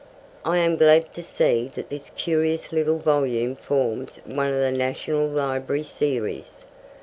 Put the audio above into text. I am glad to see that this curious little volume forms one of the National Library series.